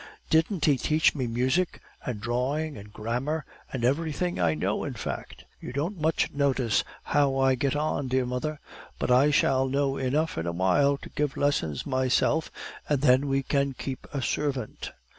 Didn't he teach me music and drawing and grammar, and everything I know in fact? You don't much notice how I get on, dear mother; but I shall know enough, in a while, to give lessons myself, and then we can keep a servant.